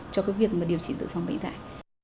cho cái việc mà điều trị dự phòng bệnh dạy